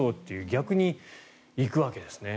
逆に行くわけです。